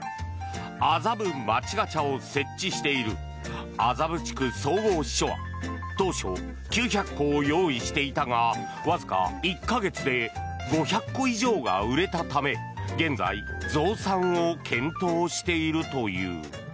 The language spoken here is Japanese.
麻布街ガチャを設置している麻布地区総合支所は当初、９００個を用意していたがわずか１か月で５００個以上が売れたため現在、増産を検討しているという。